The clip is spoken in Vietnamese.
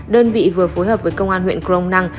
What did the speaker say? đơn vị vừa phối hợp với công an huyện crong năng